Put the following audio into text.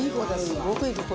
すごくいい子！